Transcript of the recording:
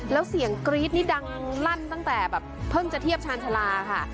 แล้วเสียงกรี๊ดนี่ดังลั่นตั้งแต่แบบเพิ่งจะเทียบชาญชาลาค่ะ